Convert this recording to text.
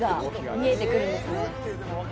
見えてくるんですね